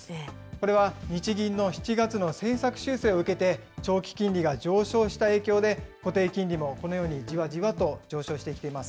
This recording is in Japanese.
これは日銀の７月の政策修正を受けて、長期金利が上昇した影響で、固定金利もこのようにじわじわと上昇してきています。